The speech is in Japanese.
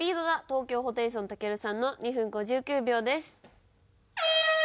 東京ホテイソンたけるさんの２分５９秒です。